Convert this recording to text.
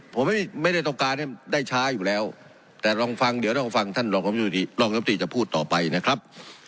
ผมไม่ได้ต้องการให้ได้ช้าอยู่แล้วแต่ลองฟังเดี๋ยวลองฟังท่านรองรับตรีจะพูดต่อไปนะครับ